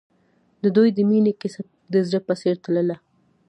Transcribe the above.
د دوی د مینې کیسه د زړه په څېر تلله.